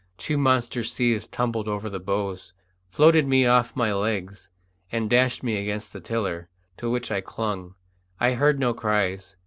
Two monster seas tumbled over the bows, floated me off my legs, and dashed me against the tiller, to which I clung. I heard no cries.